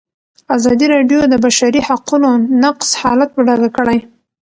ازادي راډیو د د بشري حقونو نقض حالت په ډاګه کړی.